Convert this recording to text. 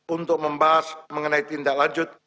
untuk membahas mengenai tindak lanjut